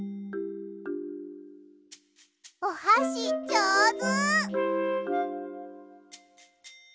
おはしじょうず！